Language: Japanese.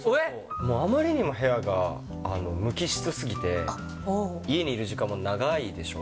あまりにも部屋が無機質すぎて、家にいる時間も長いでしょう。